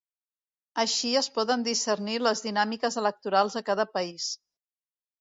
Així es poden discernir les dinàmiques electorals de cada país.